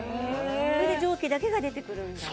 それで蒸気だけが出てくるんだ。